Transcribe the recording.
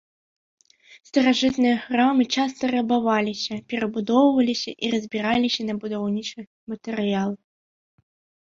Старажытныя храмы часта рабаваліся, перабудоўваліся і разбіраліся на будаўнічы матэрыял.